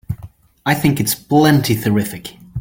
I think it's plenty terrific!